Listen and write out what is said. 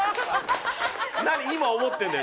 何今思ってんだよ